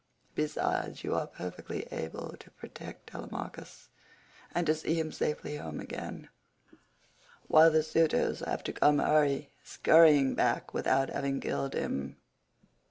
Besides, you are perfectly able to protect Telemachus, and to see him safely home again, while the suitors have to come hurry skurrying back without having killed him."